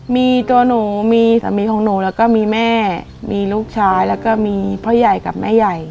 มีตัวหนูมีสามีของหนูแล้วก็มีแม่มีลูกชายแล้วก็มีพ่อใหญ่กับแม่ใหญ่